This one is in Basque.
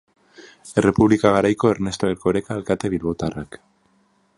Errepublika garaiko Ernesto Erkoreka alkate bilbotarrak.